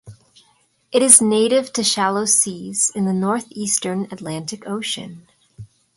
It is native to shallow seas in the northeastern Atlantic Ocean.